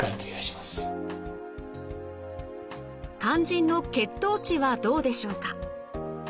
肝心の血糖値はどうでしょうか？